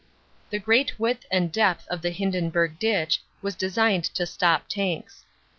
The great width and depth of the Hindenburg ditch was design ed to stop tanks.